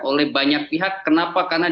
oleh banyak pihak kenapa karena